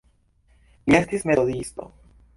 Li estis metodisto.